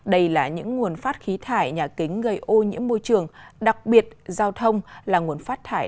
đây là những nguồn phát khí thải nhà kính gây ô nhiễm môi trường đặc biệt giao thông là nguồn phát thải